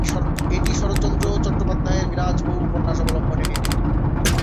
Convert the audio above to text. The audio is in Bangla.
এটি শরৎচন্দ্র চট্টোপাধ্যায়ের "বিরাজ বৌ" উপন্যাস অবলম্বনে নির্মিত।